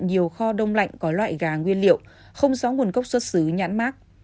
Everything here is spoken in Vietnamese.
nhiều kho đông lạnh có loại gà nguyên liệu không sóng nguồn cốc xuất xứ nhãn mát